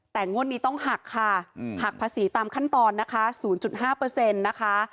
แต่งวดนี้ต้องหักค่ะหักภาษีตามขั้นตอนนะคะ๐๕นะคะ